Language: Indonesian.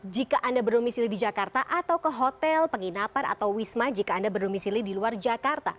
jika anda berdomisili di jakarta atau ke hotel penginapan atau wisma jika anda berdomisili di luar jakarta